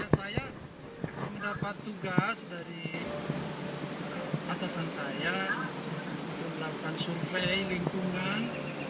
saya mendapat tugas dari atasan saya untuk melakukan survei lingkungan